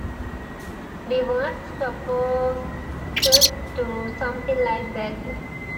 We weren't supposed to do something like that.